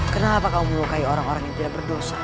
kenapa kamu melukai orang orang yang tidak berdosa